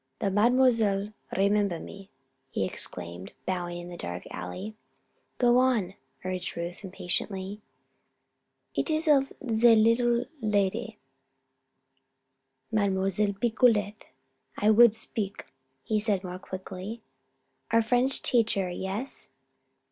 The Mademoiselle remember me," he exclaimed, bowing in the dark alley. "Go on," urged Ruth, impatiently. "It is of the leetle lady Mademoiselle Picolet I would speak," he said, more quickly. "Our French teacher yes."